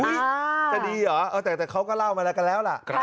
จะดีเหรอแต่เขาก็เล่ามาแล้วกันแล้วล่ะ